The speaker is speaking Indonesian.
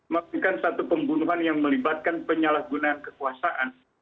melakukan satu pembunuhan yang melibatkan penyalahgunaan kekuasaan